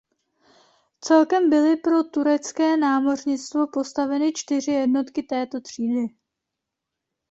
Celkem byly pro turecké námořnictvo postaveny čtyři jednotky této třídy.